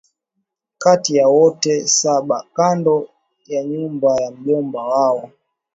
Kati ya wote saba kando ya nyumba ya mjomba wao